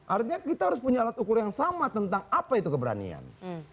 artinya kita harus punya alat ukur yang sama tentang apa itu keberanian